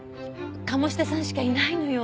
鴨志田さんしかいないのよ。